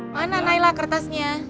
mana nailah kertasnya